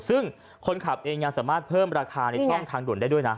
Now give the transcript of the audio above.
ซึ่งคนขับเองยังสามารถเพิ่มราคาในช่องทางด่วนได้ด้วยนะ